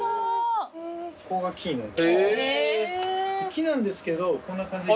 木なんですけどこんな感じで。